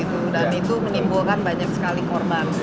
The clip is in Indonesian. dan itu menimbulkan banyak sekali korban